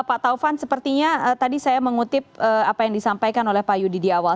pak taufan sepertinya tadi saya mengutip apa yang disampaikan oleh pak yudi di awal